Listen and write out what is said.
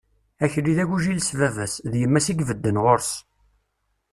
Akli d agujil s baba-s, d yemma-s i ibedden ɣur-s.